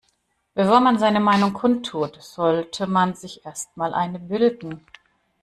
Bevor man seine Meinung kundtut, sollte man sich erst mal eine bilden.